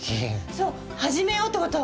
そうはじめようってこと。